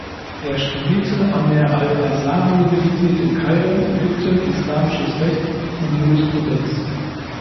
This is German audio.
Er studierte an der al-Azhar-Universität in Kairo, Ägypten islamisches Recht und Jurisprudenz.